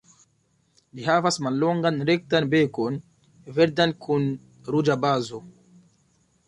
Ĝi havas mallongan rektan bekon, verdan kun ruĝa bazo.